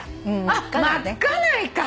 あっまっかないか！